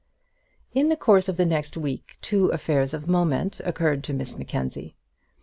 In the course of the next week two affairs of moment occurred to Miss Mackenzie.